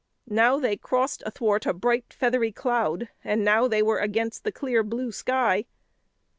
Now they crossed athwart a bright feathery cloud, and now they were against the clear blue sky.